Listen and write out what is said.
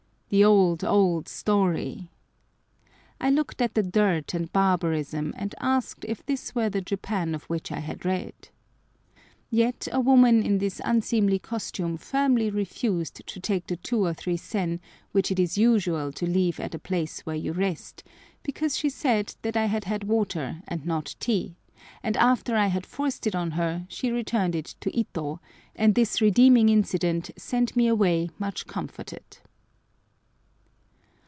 "The old, old story!" I looked at the dirt and barbarism, and asked if this were the Japan of which I had read. Yet a woman in this unseemly costume firmly refused to take the 2 or 3 sen which it is usual to leave at a place where you rest, because she said that I had had water and not tea, and after I had forced it on her, she returned it to Ito, and this redeeming incident sent me away much comforted.